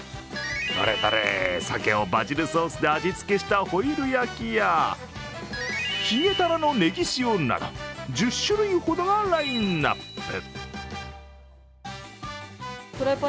どれどれ、サケをバジルソースで味つけしたホイル焼きやひげたらのねぎ塩など１０種類ほどがラインナップ。